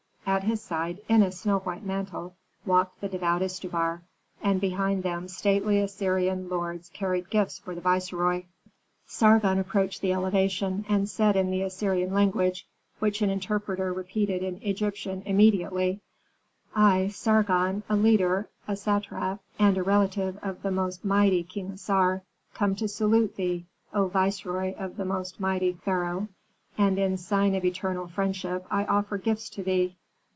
At his side, in a snow white mantle, walked the devout Istubar, and behind them stately Assyrian lords carried gifts for the viceroy. Sargon approached the elevation, and said in the Assyrian language, which an interpreter repeated in Egyptian immediately, "I, Sargon, a leader, a satrap, and a relative of the most mighty King Assar, come to salute thee, O viceroy of the most mighty pharaoh, and in sign of eternal friendship I offer gifts to thee."